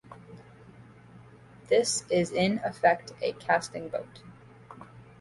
This is in effect a casting vote.